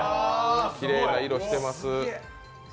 きれいな色してます。